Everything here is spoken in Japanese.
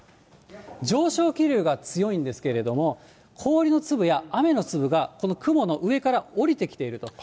上昇気流が強いんですけれども、氷の粒や雨の粒が、この雲の上から下りてきていると。